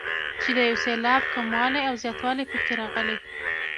چې د یو سېلاب کموالی او زیاتوالی پکې راغلی.